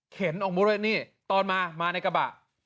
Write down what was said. ออกมาด้วยนี่ตอนมามาในกระบะ